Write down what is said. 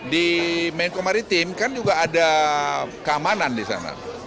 di menko maritim kan juga ada keamanan di sana